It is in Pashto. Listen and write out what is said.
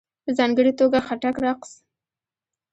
په ځانګړې توګه ..خټک رقص..